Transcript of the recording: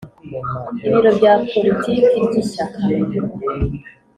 ibiro bya Politiki ry’ Ishyaka.